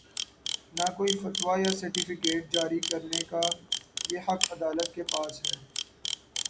نہ کوئی فتوی یا سرٹیفکیٹ جاری کر نے کا یہ حق عدالت کے پاس ہے۔